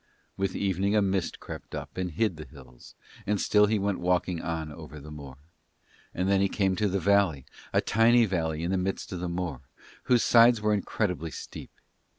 With evening a mist crept up and hid the hills, and still he went walking on over the moor. And then he came to the valley, a tiny valley in the midst of the moor, whose sides were incredibly steep.